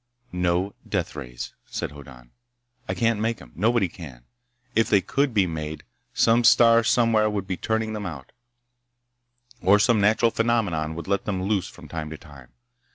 "No deathrays," said Hoddan. "I can't make 'em. Nobody can. If they could be made, some star somewhere would be turning them out, or some natural phenomenon would let them loose from time to time.